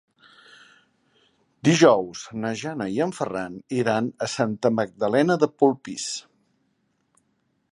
Dijous na Jana i en Ferran iran a Santa Magdalena de Polpís.